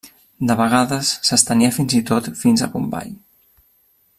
De vegades s'estenia fins i tot fins a Bombai.